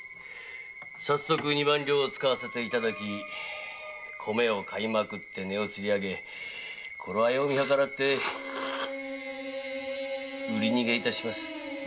早速二万両を遣わせていただき米を買いまくって値をつりあげ頃合を見計らって売り逃げを致します。